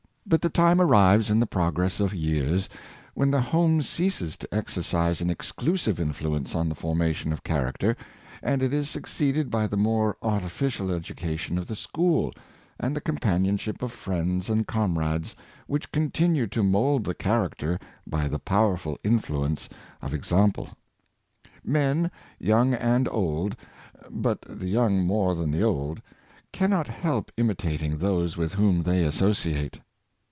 But the time arrives, in the progress of years, when the home ceases to exercise an exclusive influence on the formation of character, and it is suc ceeded by the more artificial education of the school, and the companionship of friends and comrades, which continue to mould the character by the powerful influ ence of example. Men, young and old — but the young more than the old — cannot help imitating those with whom they as sociate.